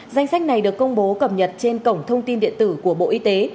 danh sách này được công bố cập nhật trên cổng thông tin điện tử của bộ y tế